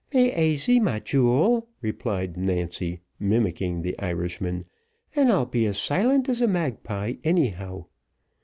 "Be aisy, my jewel," replied Nancy, mimicking the Irishman, "and I'll be as silent as a magpie, anyhow.